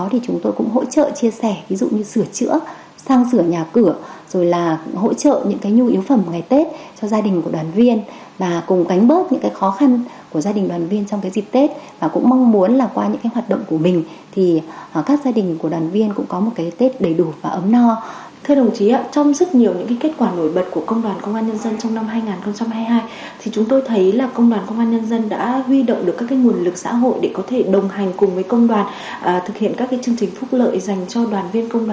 thực hiện các chương trình phúc lợi dành cho đoàn viên công đoàn và người lao động cho công an nhân dân